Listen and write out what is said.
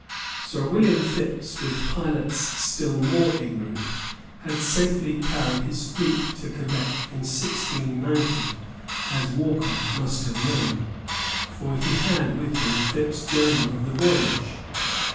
Sir William Phips, with pilots still more ignorant, had safely carried his fleet to Quebec in 1690, as Walker must have known, for he had with him Phips's Journal of the voyage.